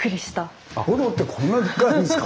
トドってこんなでっかいんですか。